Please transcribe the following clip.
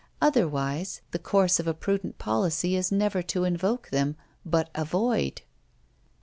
Otherwise the course of a prudent policy is never to invoke them, but avoid.